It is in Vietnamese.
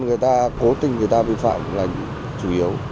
người ta cố tình người ta vi phạm là chủ yếu